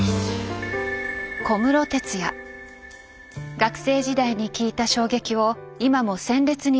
学生時代に聴いた衝撃を今も鮮烈に覚えています。